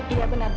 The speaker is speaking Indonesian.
iya benar bu